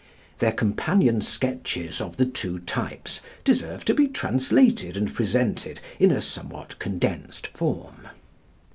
Their companion sketches of the two types deserve to be translated and presented in a somewhat condensed form.